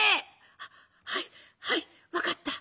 「ははいはい分かった。